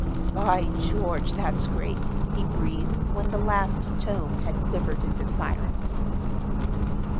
"By George, that's great!" he breathed, when the last tone had quivered into silence.